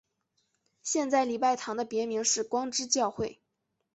现在礼拜堂的别名是光之教会。